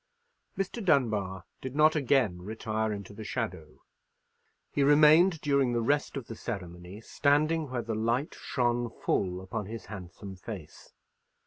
Mr. Dunbar did not again retire into the shadow. He remained during the rest of the ceremony standing where the light shone full upon his handsome face.